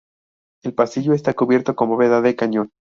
El pasillo está cubierto con bóveda de cañón.